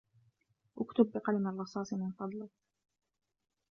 أكتب بقلم الرصاص من فضلك.